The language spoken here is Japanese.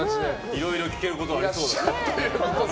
いろいろ聞けることありそうだな。